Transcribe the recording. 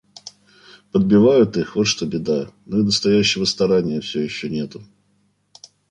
Подбивают их, вот что беда; ну, и настоящего старания все еще нету.